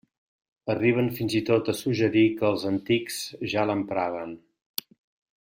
Arriben fins i tot a suggerir que els «antics» ja l'empraven.